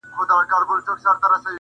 سالم تربیت د بریالۍ راتلونکې بنسټ دی.